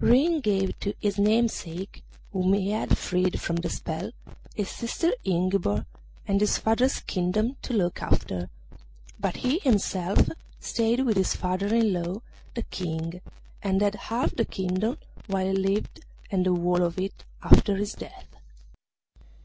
Ring gave to his namesake, whom he had freed from the spell, his sister Ingiborg and his father's kingdom to look after, but he himself stayed with his father in law the King, and had half the kingdom while he lived and the whole of it after his death.